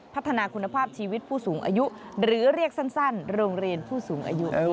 พัฒนาคุณภาพชีวิตผู้สูงอายุหรือเรียกสั้นโรงเรียนผู้สูงอายุ